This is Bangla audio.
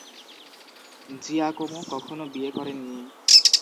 জিয়াকোমো কখনো বিয়ে করেনি।